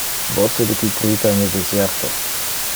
Voce de qui crita in le deserto.